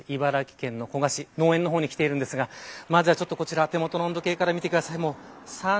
茨城県の古河市農園の方に来ていますがまずはこちら、手元の温度計から見てください。